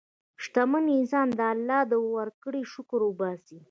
شتمن انسان د الله د ورکړې شکر وباسي.